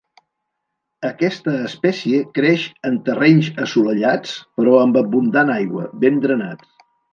Aquesta espècie creix en terrenys assolellats però amb abundant aigua, ben drenats.